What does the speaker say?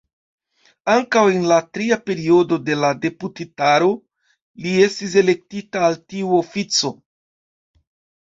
Ankaŭ en la tria periodo de la deputitaro li estis elektita al tiu ofico.